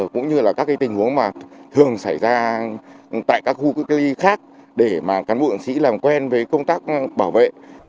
cũng như là các tình huống mà thường xảy ra tại các khu cách ly khác để cán bộ sĩ làm quen với công tác bảo vệ